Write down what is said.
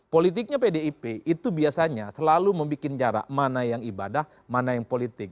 politiknya pdip itu biasanya selalu membuat jarak mana yang ibadah mana yang politik